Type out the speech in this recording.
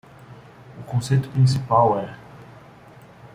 O conceito principal é